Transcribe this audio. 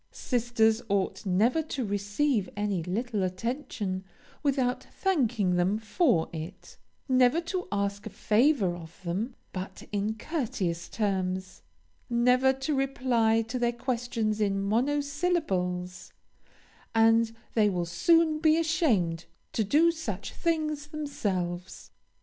Sisters ought never to receive any little attention without thanking them for it, never to ask a favor of them but in courteous terms, never to reply to their questions in monosyllables, and they will soon be ashamed to do such things themselves.